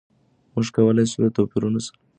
موږ کولای شو له توپیرونو سره سره ګډ ژوند وکړو.